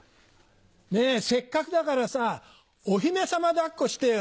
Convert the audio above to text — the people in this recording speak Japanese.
ねぇせっかくだからさお姫様抱っこしてよ。